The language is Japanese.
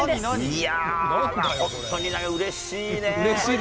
いやー、本当にうれしいね。